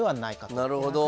なるほど。